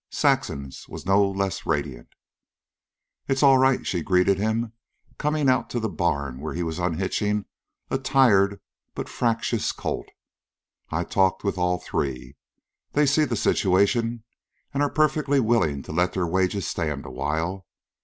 Saxon was no less radiant. "It's all right," she greeted him, coming out to the barn where he was unhitching a tired but fractious colt. "I've talked with all three. They see the situation, and are perfectly willing to let their wages stand a while.